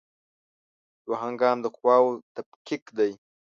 دوهم ګام د قواوو تفکیک دی.